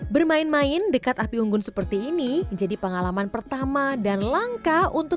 bermain main dekat api unggun seperti ini jadi pengalaman pertama dan langka untuk